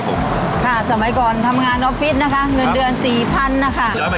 ค่ะสมัยก่อนทำงานออฟิสนะคะ